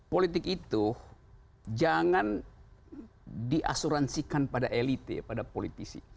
politik itu jangan diasuransikan pada elite pada politisi